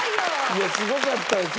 いやすごかったんです